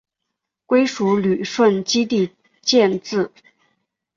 归属旅顺基地建制。